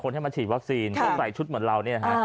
ให้มาฉีดวัคซีนเขาใส่ชุดเหมือนเราเนี่ยนะฮะ